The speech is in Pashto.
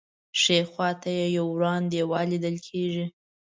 ښی خوا ته یې یو وران دیوال لیدل کېږي.